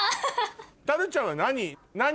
タルちゃんは。